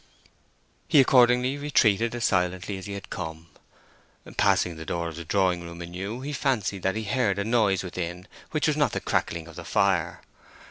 He accordingly retreated as silently as he had come. Passing the door of the drawing room anew, he fancied that he heard a noise within which was not the crackling of the fire.